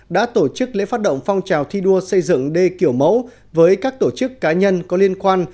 đã tổ chức lễ phát động phong trào thi đua xây dựng đê kiểu mẫu với các tổ chức cá nhân có liên quan